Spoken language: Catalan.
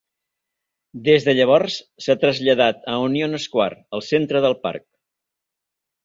Des de llavors, s"ha traslladat a Union Square al centre del parc.